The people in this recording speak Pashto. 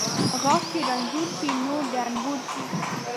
ـ غاښ چې رنځور شي ، نور د انبور شي .